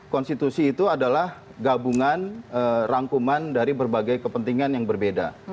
konstitusi itu adalah gabungan rangkuman dari berbagai kepentingan yang berbeda